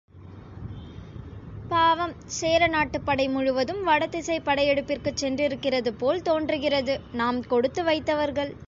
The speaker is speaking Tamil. பாவம், சேர நாட்டுப் படை முழுவதும் வடதிசைப் படையெடுப்பிற்குச் சென்றிருக்கிறதுபோல் தோன்றுகிறது நாம் கொடுத்து வைத்தவர்கள்.